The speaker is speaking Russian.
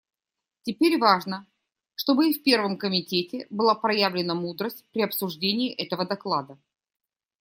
Теперь важно, чтобы и в Первом комитете была проявлена мудрость при обсуждении этого доклада.